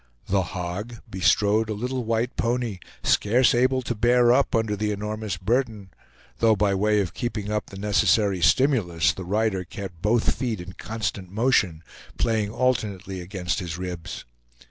"The Hog" bestrode a little white pony, scarce able to bear up under the enormous burden, though, by way of keeping up the necessary stimulus, the rider kept both feet in constant motion, playing alternately against his ribs.